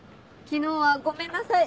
昨日はごめんなさい。